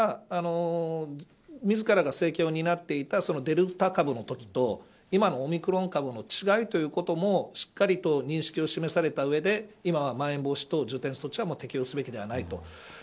菅さんは自らが政権を担っていたデルタ株のときと今のオミクロン株の違いということもしっかりと認識を示された上で今は、まん延防止等重点措置は適用すべきではないと。